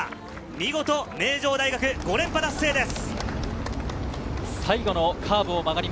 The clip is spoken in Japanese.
見事名城大学５連覇達成です。